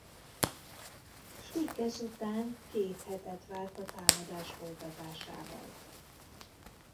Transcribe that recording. Schlik ezután két hetet várt a támadás folytatásával.